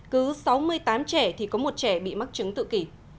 cứ sáu mươi tám trẻ thì có một trẻ bị mắc chứng tự kỷ